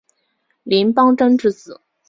林邦桢之子。